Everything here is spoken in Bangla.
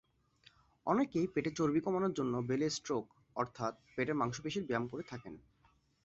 অনেকেই পেটের চর্বি কমানোর জন্য বেলি স্ট্রোক অর্থাৎ পেটের মাংসপেশির ব্যায়াম করে থাকেন।